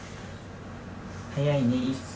早いね。